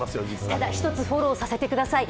ただ一つフォローさせてください。